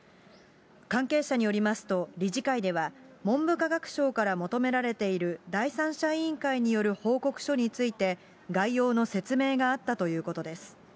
関係者によりますと、理事会では、文部科学省から求められている第三者委員会による報告書について、概要の説明があったということです。